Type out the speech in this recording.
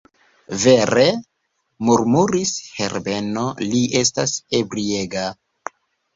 Vere, murmuris Herbeno, li estas ebriega.